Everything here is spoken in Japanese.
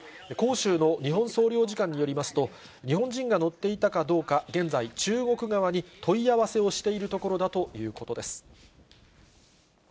広州の日本総領事館によりますと、日本人が乗っていたかどうか、現在、中国側に問い合わせをしているところだということです。